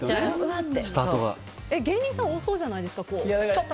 芸人さん多そうじゃないですか？